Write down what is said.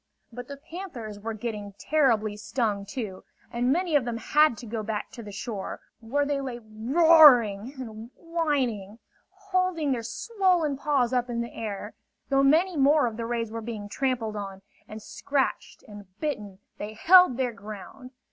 But the panthers were getting terribly stung, too; and many of them had to go back to the shore, where they lay roaring and whining, holding their swollen paws up in the air. Though many more of the rays were being trampled on, and scratched and bitten, they held their ground.